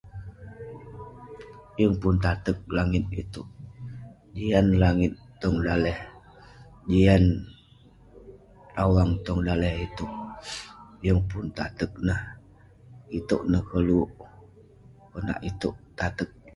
Yeng pun taterk langit itouk, jian langit tong daleh, jian awang tong daleh itouk..yeng pun taterk neh..itouk neh koluk..konak itouk taterk .